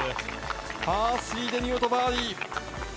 パー３で見事バーディー。